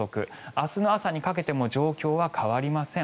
明日の朝にかけても状況は変わりません。